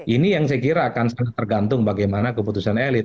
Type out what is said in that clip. ini yang saya kira akan sangat tergantung bagaimana keputusan elit